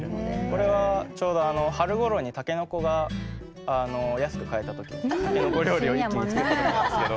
これはちょうど春ごろにタケノコが安く買えた時にタケノコ料理を一気に作ったんですけど。